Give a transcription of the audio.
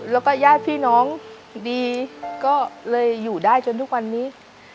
แล้วก็ญาติพี่น้องดีก็เลยอยู่ได้จนทุกวันนี้